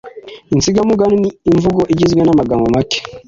Insigamugani ni imvugo igizwe n’amagambo make,